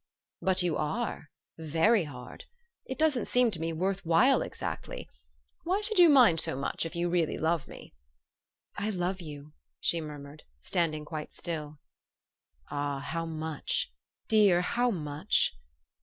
"But you are very hard. It doesn't seem to me worth while exactly. Why should you mind so much, if you really love me? " "I love you!" she murmured, standing quite still. 11 Ah, how much?' Dear, how much?